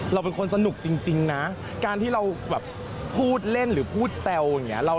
เราเป็นคนสนุกจริงนะการที่เราแบบพูดเล่นหรือพูดแซวอย่างนี้